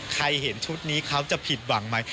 เห็นชุดนี้เขาจะผิดหวังไหม